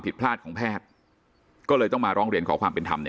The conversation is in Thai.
ผิดพลาดของแพทย์ก็เลยต้องมาร้องเรียนขอความเป็นธรรมเนี่ย